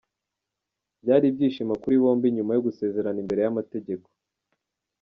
Byari ibyishimo kuri bombi nyuma yo gusezerana imbere y'amategeko.